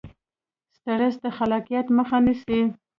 سټرس د خلاقیت مخه نیسي.